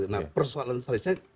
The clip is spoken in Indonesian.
nah persoalan tersebut